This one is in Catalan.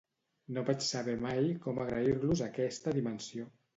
No vaig saber mai com agrair-los aquesta dimensió.